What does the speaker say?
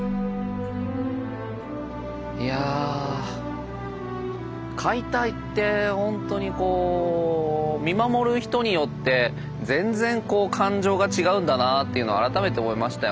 いやあ解体って本当にこう見守る人によって全然こう感情が違うんだなというのを改めて思いましたよね。